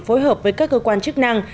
phối hợp với các cơ quan chức năng